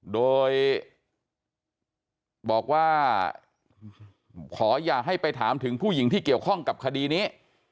โดยบอกว่าขออย่าให้ไปถามถึงผู้หญิงที่เกี่ยวข้องกับคดีนี้